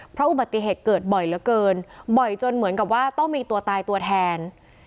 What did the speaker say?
เพราะอุบัติเหตุเกิดบ่อยเหลือเกินบ่อยจนเหมือนกับว่าต้องมีตัวตายตัวแทน